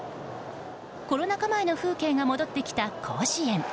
コロナ禍前の風景が戻ってきた甲子園。